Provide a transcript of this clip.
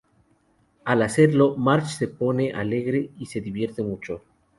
Al hacerlo, Marge se pone alegre y se divierte mucho.